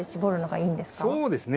そうですね。